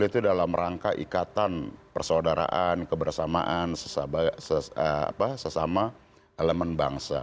itu dalam rangka ikatan persaudaraan kebersamaan sesama elemen bangsa